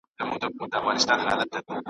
رباعیات .